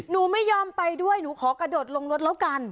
หนูไม่ยอมไปด้วยหนูขอกระโดดลงรถแล้วกัน